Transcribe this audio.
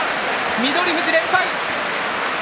翠富士、連敗。